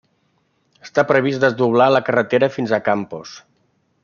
Està previst desdoblar la carretera fins a Campos.